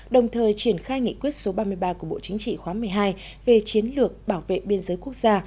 đồng thời triển khai nghị quyết số ba mươi ba của bộ chính trị khóa một mươi hai về chiến lược bảo vệ biên giới quốc gia